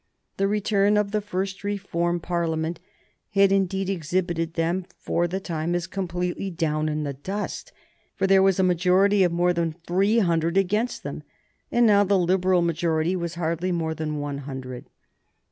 The return of the first Reform Parliament had, indeed, exhibited them for the time as completely down in the dust, for there was a majority of more than three hundred against them, and now the Liberal majority was hardly more than one hundred.